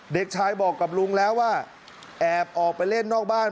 เด็กชายบอกกับลุงแล้วว่าแอบออกไปเล่นนอกบ้าน